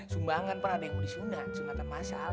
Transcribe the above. sumbangan pak ada yang mau disunat sunatan masal